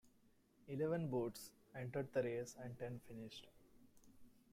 Eleven boats entered the race, and ten finished.